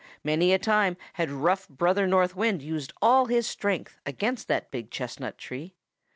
Many a time had rough Brother North Wind used all his strength against that big chestnut tree.